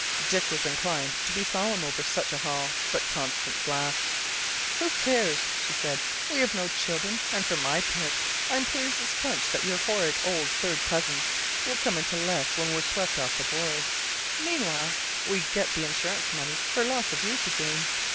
Dick was inclined to be solemn over such a haul, but Constance laughed. "Who cares?" she said. "We've no children, and for my part I'm as pleased as Punch that your horrid old third cousins will come into less when we're swept off the board. Meanwhile, we get the insurance money for 'loss of use' again.